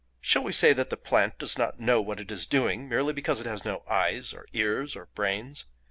"Shall we say that the plant does not know what it is doing merely because it has no eyes, or ears, or brains?